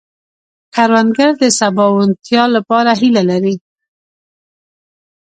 کروندګر د سباوونتیا لپاره هيله لري